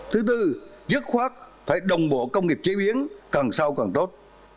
thứ tư dứt khoát phải đồng bộ công nghiệp chế biến càng sau càng tốt